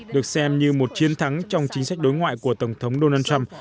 được xem như một chiến thắng trong chính sách đối ngoại của tổng thống donald trump